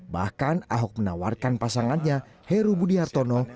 bahkan ahok menawarkan pasangannya heru budi hartono